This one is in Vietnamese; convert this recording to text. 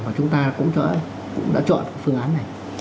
và chúng ta cũng đã chọn phương án này